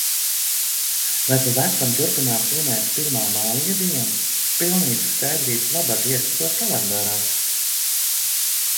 Vai pa vecam turpinām svinēt Pirmā maija dienu? Pilnīgas skaidrības labad ieskatos kalendārā.